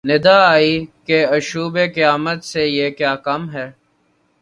ندا آئی کہ آشوب قیامت سے یہ کیا کم ہے